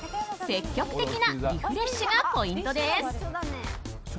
積極的なリフレッシュがポイントです。